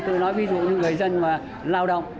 tôi nói ví dụ như người dân mà lao động